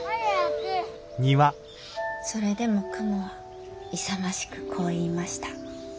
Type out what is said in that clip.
「それでも雲は勇ましくこう言いました。